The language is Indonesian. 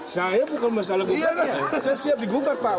saya bukan masalah gugat pak saya siap digugat pak